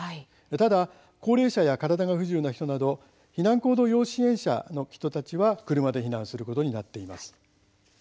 ただ高齢者や体が不自由な人など避難行動要支援者は車で避難することになっています。